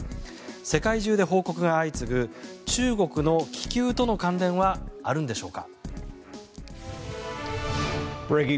世界中で報告が相次ぐ中国の気球との関連はあるんでしょうか。